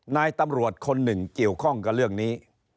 นายตำรวจคนหนึ่งเกี่ยวข้องกับเรื่องนี้